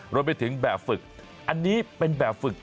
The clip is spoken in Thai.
รวมไปถึงแบบฝึกอันนี้เป็นแบบฝึก